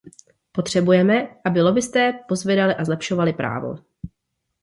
Potřebujeme, aby lobbisté pozvedali a zlepšovali právo.